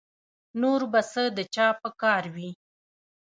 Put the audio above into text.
نور به څه د چا په کار وي